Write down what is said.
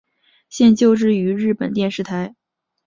现就职于日本电视台。